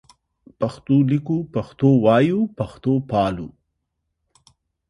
پښتو لیکو پښتو وایو پښتو پالو